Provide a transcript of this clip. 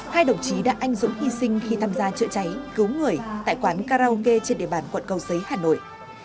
hai đồng chí đã anh dũng hy sinh khi tham gia chữa cháy cứu người tại quán karaoke trên địa bàn quận cầu giấy hà nội